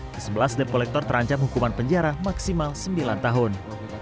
kesebelas dep kolektor terancam hukuman penjara maksimal sembilan tahun